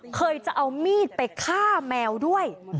เคยจะเอามีดไปฆ่าแมวด้วย